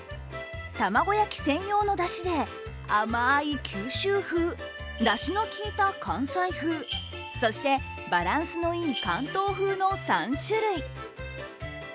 卵焼き専用のだしで甘い九州風だしのきいた関西風そして、バランスのいい関東風の３種類。